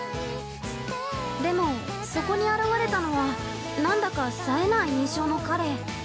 でもそこにあらわれたのはなんだかさえない印象の彼。